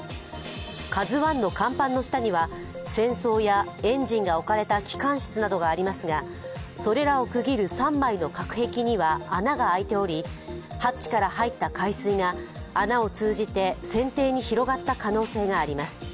「ＫＡＺＵⅠ」の甲板の下には船倉やエンジンが置かれた機関室などがありますが、それらを区切る３枚の隔壁には穴が開いており、ハッチから入った海水が穴を通じて船底に広がった可能性があります。